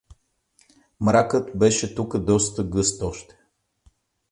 Мракът беше тука доста гъст още.